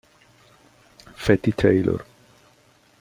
Fatty Taylor